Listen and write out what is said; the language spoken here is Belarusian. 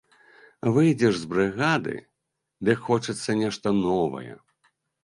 Выйдзеш з брыгады, дык хочацца нешта новае.